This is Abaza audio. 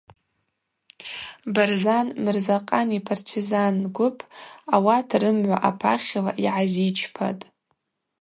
Барзан Мырзакъан йпартизан гвып ауат рымгӏва апахьла йгӏазичпатӏ.